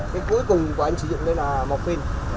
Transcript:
cái cuối cùng của anh sử dụng đây là một pin